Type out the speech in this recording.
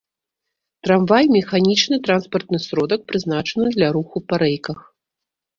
Трамвай — механічны транспартны сродак, прызначаны для руху па рэйках